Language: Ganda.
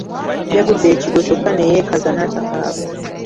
Yagudde ekigwo kyokka ne yeekaza n’atakaaba.